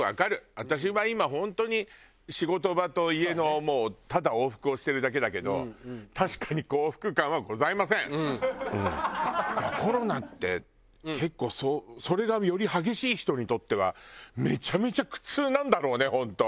私は今本当に仕事場と家のもうただ往復をしてるだけだけどだからコロナって結構それがより激しい人にとってはめちゃめちゃ苦痛なんだろうね本当。